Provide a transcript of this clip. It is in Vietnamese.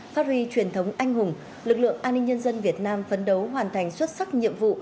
phát huy truyền thống anh hùng lực lượng an ninh nhân dân việt nam phấn đấu hoàn thành xuất sắc nhiệm vụ